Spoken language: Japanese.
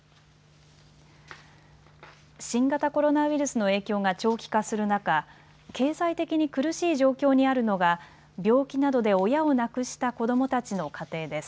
新型コロナウイルスの影響が長期化する中、経済的に苦しい状況にあるのが病気などで親を亡くした子どもたちの家庭です。